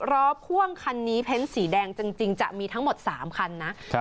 พ่วงคันนี้เพ้นสีแดงจริงจะมีทั้งหมด๓คันนะ